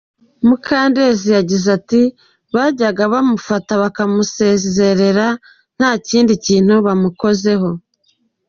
Mukandezi yagize ati “Bajyaga bamufata bakamusezerera nta kindi kintu bamukozeho.